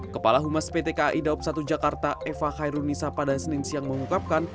kepala humas pt kai daup satu jakarta eva khairunisa pada senin siang mengungkapkan